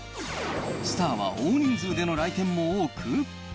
スターは大人数での来店も多く。